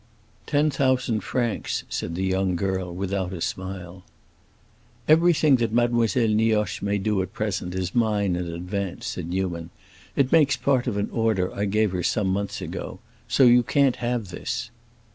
"Ten thousand francs," said the young girl, without a smile. "Everything that Mademoiselle Nioche may do at present is mine in advance," said Newman. "It makes part of an order I gave her some months ago. So you can't have this."